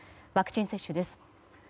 ワクチン接種です。